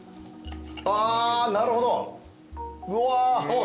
ああなるほどうわ。